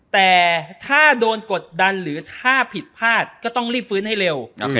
แต่ถ้าโดนกดดันหรือถ้าผิดพลาดก็ต้องรีบฟื้นให้เร็ว